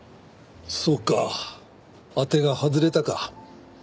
そうか当てが外れたか。